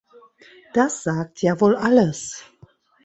Das sagt ja wohl alles!